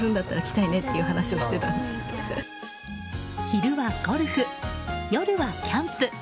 昼はゴルフ、夜はキャンプ。